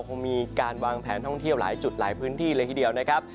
คงมีการวางแผนท่องเที่ยวหลายจุดหลายพื้นที่เลยทีเดียวนะครับ